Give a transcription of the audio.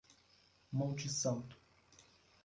Monte Santo